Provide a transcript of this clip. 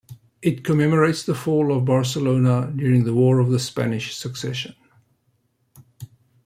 It commemorates the fall of Barcelona during the War of the Spanish Succession.